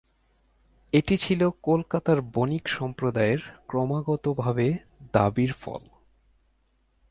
এটি ছিল কলকাতার বণিক সম্প্রদায়ের ক্রমাগতভাবে দাবির ফল।